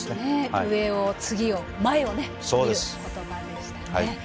上を、次を、前を見る言葉でしたね。